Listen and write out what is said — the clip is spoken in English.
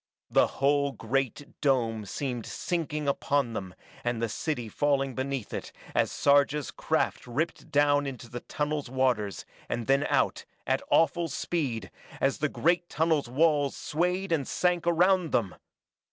The whole great dome seemed sinking upon them and the city falling beneath it as Sarja's craft ripped down into the tunnel's waters, and then out, at awful speed, as the great tunnel's walls swayed and sank around them!